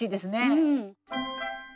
うん。